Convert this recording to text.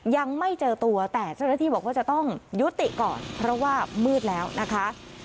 ยังไม่เจอตัวแต่เจ้าหน้าที่บอกว่าจะต้องยุติก่อนเพราะว่ามืดแล้วนะคะ